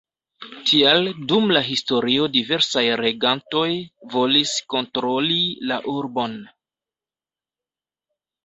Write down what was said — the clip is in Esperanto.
Tial dum la historio diversaj regantoj volis kontroli la urbon.